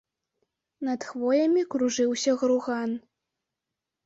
Над хвоямі кружыўся груган.